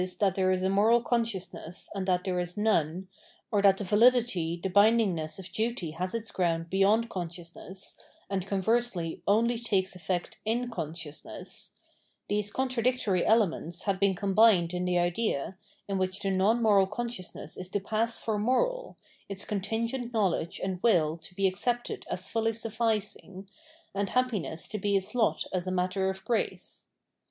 that there is a moral consciousness and that there is none, or that the validity, the bindingness, of duty has its ground beyond consciousness, and conversely only takes effect in consciousness — these contradictory elements had been combined in the idea, in which the non moral consciousness is to pass for moral, its contingent know ledge and will to be accepted as fully sufficing, and happiness to be its lot as a matter of grace.